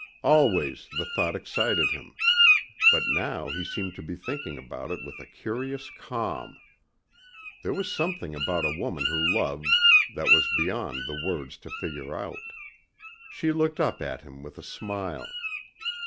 Always the thought excited him. But now he seemed to be thinking about it with a curious calm. There was something about a woman who loved that was beyond words to figure out. She looked up at him with a smile.